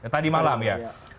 tadi malam ya